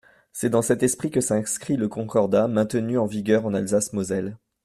C’est dans cet esprit que s’inscrit le Concordat maintenu en vigueur en Alsace-Moselle.